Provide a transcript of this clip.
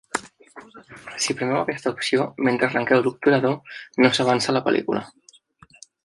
Si premeu aquesta opció mentre arrenqueu l'obturador, no s'avança la pel·lícula.